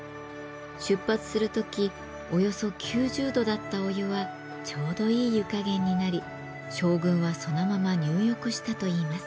出発する時およそ９０度だったお湯はちょうどいい湯加減になり将軍はそのまま入浴したといいます。